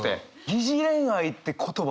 「疑似恋愛」って言葉